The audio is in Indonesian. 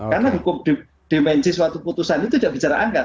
karena hukum dimensi suatu putusan itu tidak bicara angka